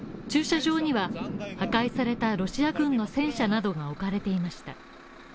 駐車場には破壊されたロシア軍の戦車などが置かれていました。